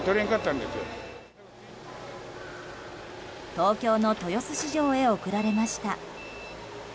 東京の豊洲市場へ送られました。